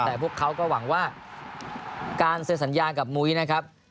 แต่พวกเขาก็หวังว่าการเซ็นสัญญากับมุ้ยนะครับ